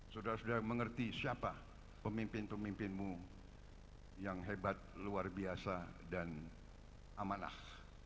saudara saudara mengerti siapa pemimpin pemimpinmu yang hebat luar biasa dan amanah